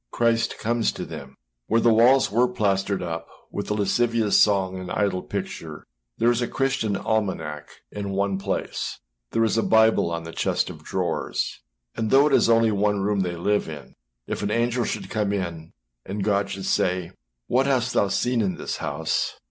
Christ comes to them. Where the walls were plastered up with the lascivious song and idle picture, there is a Christian almanack in one place, there is a Bible on the chest of drawers; and though it is only one room they live in, if an angel should come in, and God should say, âWhat hast thou seen in that house?